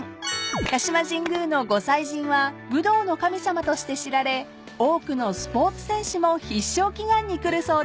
［鹿島神宮のご祭神は武道の神様として知られ多くのスポーツ選手も必勝祈願に来るそうです］